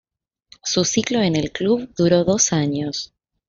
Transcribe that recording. Su ciclo en el club duró dos años.